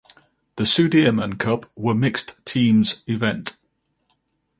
The Sudirman Cup were mixed teams event.